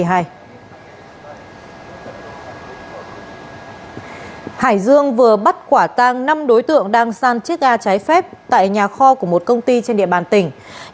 hải dương vừa bắt quả tang năm đối tượng đang san chiếc gà trái phép tại nhà kho của một công ty trên địa bàn tỉnh